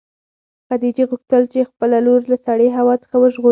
خدیجې غوښتل چې خپله لور له سړې هوا څخه وژغوري.